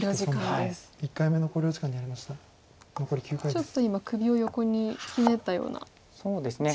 ちょっと今首を横にひねったようなしぐさが。